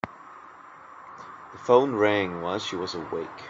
The phone rang while she was awake.